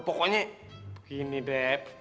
pokoknya begini deb